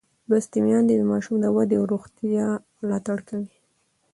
لوستې میندې د ماشوم د ودې او روغتیا ملاتړ کوي.